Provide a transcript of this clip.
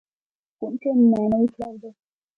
ښوونکی معنوي پلار دی.